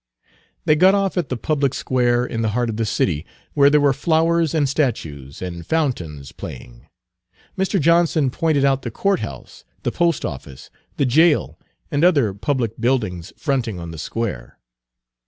They got off at the public square, in the heart of the city, where there were flowers and statues, and fountains playing. Mr. Johnson pointed out the court house, the post office, the jail, and other public buildings fronting on the square.